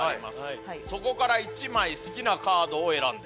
そこから１枚好きなカードを選んでください。